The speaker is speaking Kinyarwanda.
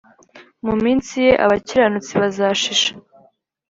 mu minsi ye, abakiranutsi bazashisha,